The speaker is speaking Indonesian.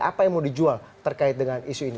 apa yang mau dijual terkait dengan isu ini